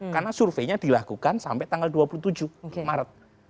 karena surveinya dilakukan sampai tanggal dua puluh tujuh maret